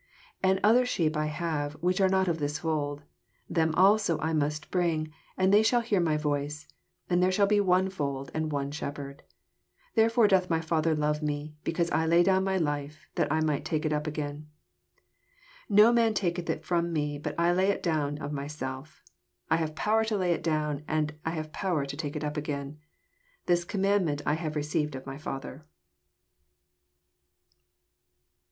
16 And other sheep I have, whieh are not of this fold: them also I most bring, and they shall hear my voioe; and there shaU be one fold, and one shepherd. 17 Therefore doth my Father love me, because I lay down my life, that I might take it again. 18 No man taketh it from me, but I lay it down of myself. I have power to lay it down, and I have power to take it again. This oonunandiinent have I received of my Father.